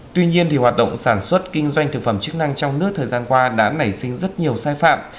tuy nhiên hoạt động sản xuất kinh doanh thực phẩm chức năng trong nước thời gian qua đã nảy sinh rất nhiều sai phạm